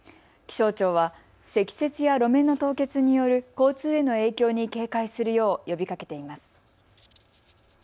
気象庁は積雪や路面の凍結による交通への影響に警戒するよう呼びかけています。